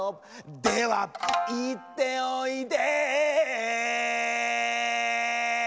「ではいっておいで」